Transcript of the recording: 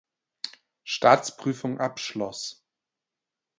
Staatsprüfung abschloss.